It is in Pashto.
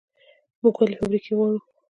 موږ ولې فابریکې غواړو؟